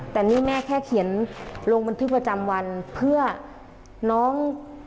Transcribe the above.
แต่นี่แม่แค่เขียนลงบันทึกประจำวันเพื่อน้อง